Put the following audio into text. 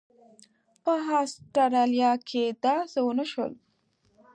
په اسټرالیا کې داسې ونه شول.